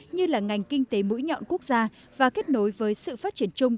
như là ngành kinh tế mũi nhọn quốc gia và kết nối với sự phát triển chung